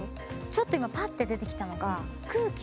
ちょっと今パッて出てきたのが空気？